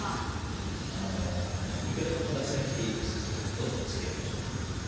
どんどんつきあいましょう。